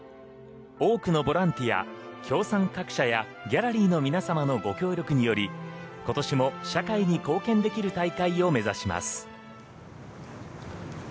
多くのボランティア、協賛各社やギャラリーの皆様のご協力により今年も社会に貢献できる大会を目指します。